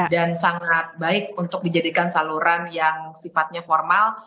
dan sangat baik untuk dijadikan saluran yang sifatnya formal